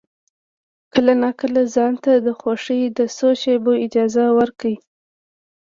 کله ناکله ځان ته د خوښۍ د څو شېبو اجازه ورکړه.